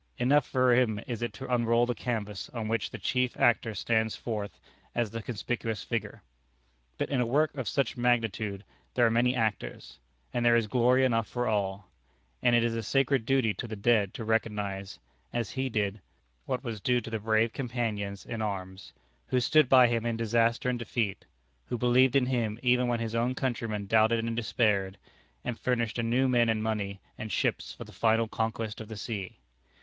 Enough for him is it to unroll the canvas on which the chief actor stands forth as the conspicuous figure. But in a work of such magnitude there are many actors, and there is glory enough for all; and it is a sacred duty to the dead to recognize, as he did, what was due to the brave companions in arms, who stood by him in disaster and defeat; who believed in him even when his own countrymen doubted and despaired; and furnished anew men and money and ships for the final conquest of the sea.